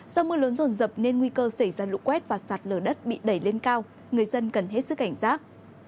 do mưa lớn rồn rập nên nguy cơ xảy ra lũ quét và sạt lở đất bị đẩy lên cao người dân cần hết sức cảnh giác